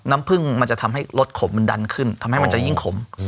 น้ำผึ้งมันจะทำให้รสขมมันดันขึ้นทำให้มันจะยิ่งขม